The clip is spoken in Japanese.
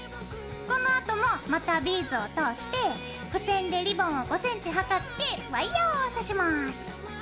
このあともまたビーズを通して付箋でリボンを５ｃｍはかってワイヤーを刺します。